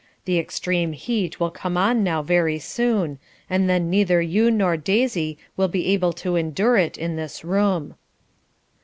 The extreme heat will come on now very soon, and then neither you nor Daisy will be able to endure it in this room."